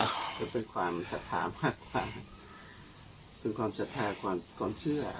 ถือเป็นความศรัทธามากไปเป็นความศรัทธาความเชื่อ